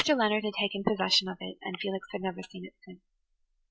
Leonard had taken possession of it and Felix had never seen it since.